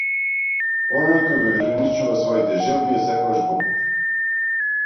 Оној кој ги ограничува своите желби е секогаш богат.